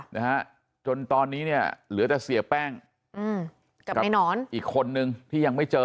นะฮะจนตอนนี้เนี่ยเหลือแต่เสียแป้งอืมกับในหนอนอีกคนนึงที่ยังไม่เจอ